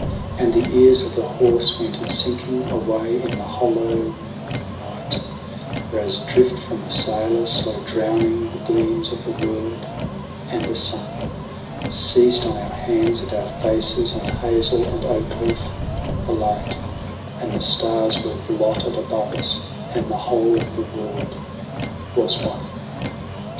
And the ears of the horse went sinking away in the hollow night, For, as drift from a sailor slow drowning the gleams of the world and the sun, Ceased on our hands and our faces, on hazel and oak leaf, the light, 124 THE WANDERINGS OF OISIN And the stars were blotted above us, and the whole of the world was one.